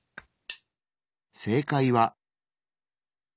正解は。